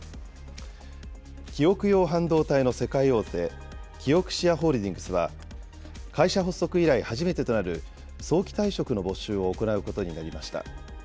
記憶用半導体の世界大手、キオクシアホールディングスは、会社発足以来初めてとなる早期退職の募集を行うことになりました。